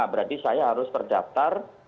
berarti saya harus terdaftar